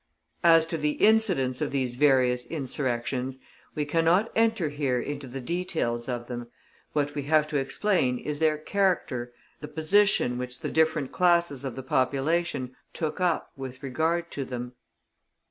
As to the incidents of these various insurrections, we cannot enter here into the details of them: what we have to explain is their character, and the position which the different classes of the population took up with regard to them.